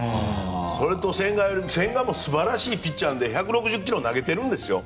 それと千賀も素晴らしいピッチャーで１６０ｋｍ投げてるんですよ。